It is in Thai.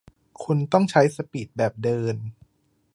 คุณต้องใช้สปีดแบบเดิน